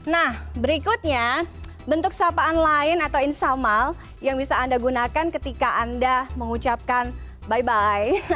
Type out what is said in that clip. nah berikutnya bentuk sapaan lain atau insamal yang bisa anda gunakan ketika anda mengucapkan by bye